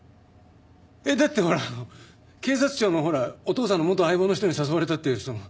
だってほら警察庁のほらお父さんの元相棒の人に誘われたっていうその。